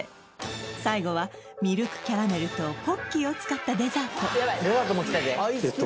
最後はミルクキャラメルとポッキーを使ったデザートえっと